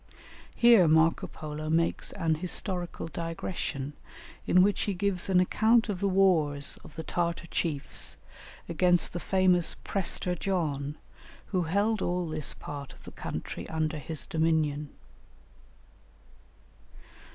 Here Marco Polo makes an historical digression, in which he gives an account of the wars of the Tartar chiefs against the famous Prester John who held all this part of the country under his dominion.